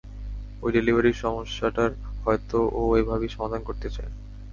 ঐ ডেলিভারির সমস্যাটার, হয়তো ও এভাবেই সমাধান করতে চায়।